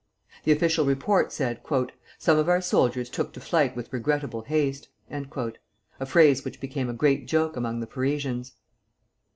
The official report said: "Some of our soldiers took to flight with regrettable haste," a phrase which became a great joke among the Parisians.